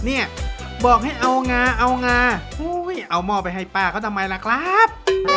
เนี่ยบอกให้เอางาเอางาเอาหม้อไปให้ป้าเขาทำไมล่ะครับ